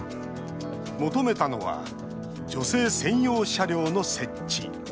求めたのは女性専用車両の設置。